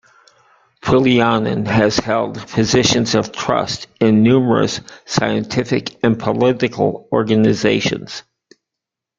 Pulliainen has held positions of trust in numerous scientific and political organisations.